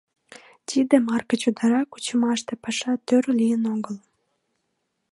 Тиде марке чодыра кучымаште паша тӧр лийын огыл.